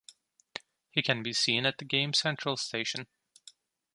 He can be seen at Game Central Station.